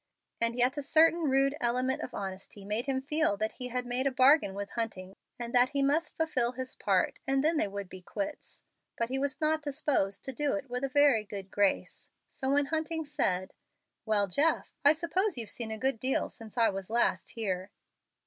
And yet a certain rude element of honesty made him feel that he had made a bargain with Hunting, and that he must fulfil his part and then they would be quits. But he was not disposed to do it with a very good grace. So when Hunting said, "Well, Jeff, I suppose you've seen a good deal since I was last here."